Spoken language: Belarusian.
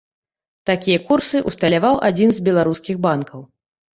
Такія курсы ўсталяваў адзін з беларускіх банкаў.